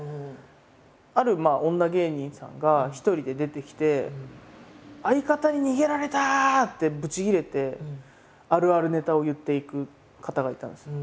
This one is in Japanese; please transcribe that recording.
ある女芸人さんが一人で出てきて「相方に逃げられた」ってブチギレてあるあるネタを言っていく方がいたんですよ。